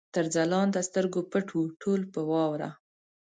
تر ځلانده سترګو پټ وو، ټول په واوره